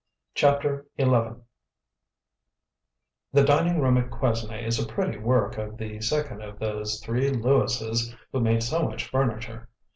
CHAPTER XI The dining room at Quesnay is a pretty work of the second of those three Louises who made so much furniture.